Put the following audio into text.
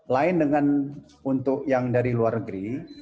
lain dengan untuk yang dari luar negeri